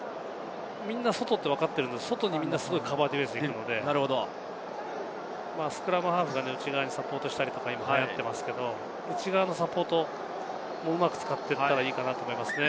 みんな外ってわかっているので、カバーディフェンスができるのでスクラムハーフが内側にサポートしたりとか今、流行っていますけど、内側のサポートもうまく使っていったらいいかなと思いますね。